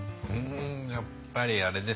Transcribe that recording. やっぱりあれですね